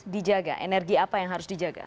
dijaga energi apa yang harus dijaga